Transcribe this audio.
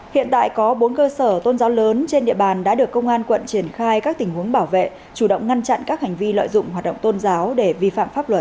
hiện tại có bốn cơ sở tôn giáo lớn trên địa bàn đã được công an quận triển khai các tình huống bảo vệ chủ động ngăn chặn các hành vi lợi dụng hoạt động tôn giáo để vi phạm pháp luật